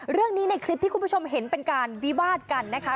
ในคลิปที่คุณผู้ชมเห็นเป็นการวิวาดกันนะคะ